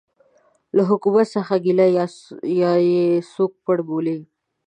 له حکومتونو څه ګیله یا یې څوک پړ بولي.